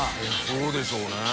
そうでしょうね。